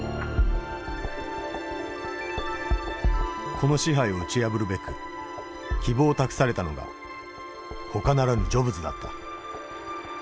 この支配を打ち破るべく希望を託されたのがほかならぬジョブズだった。